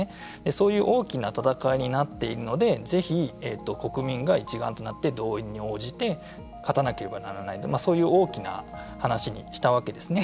そういう大きな戦いになっているのでぜひ国民が一丸となって動員に応じて勝たなければならないそういう大きな話にしたわけですね。